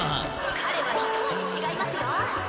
彼はひと味違いますよ。